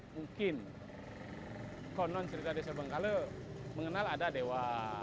mungkin konon cerita desa bengkale mengenal ada dewa